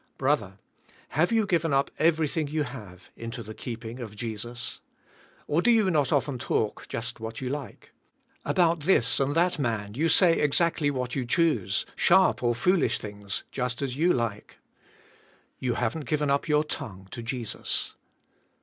Brother, have you given up everything you have into the keeping of Jesus? Or do you not often talk just what you like? About this and that man you say exactly what you choose, sharp or foolish things, just as you like. You haven't given up your tongue to Jesus.